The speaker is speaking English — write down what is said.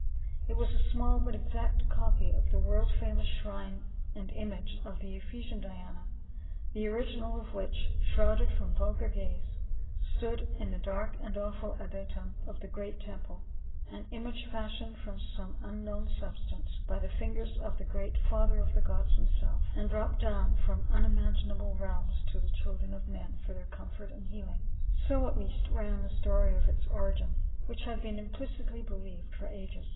It was a small but exact copy of the world famous shrine and image of the Ephesian Diana, the original of which, shrouded from vulgar gaze, stood in the dark and awful adytum of the great temple ; an image fashioned from some un known substance by the fingers of the great father of the gods himself, and dropped down from unimagin able realms to the children of men for their comfort and healing — so at least ran the story of its origin, which had been implicitly believed for ages.